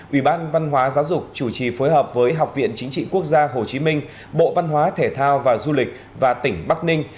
ủy ban văn hóa giáo dục chủ trì phối hợp với học viện chính trị quốc gia hồ chí minh bộ văn hóa thể thao và du lịch và tỉnh bắc ninh